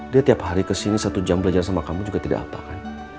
dia tiap hari kesini satu jam belajar sama kamu juga tidak apa kan